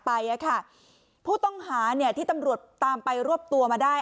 ผู้ต้องหาเนี่ยที่ตำรวจตามไปรวบตัวมาได้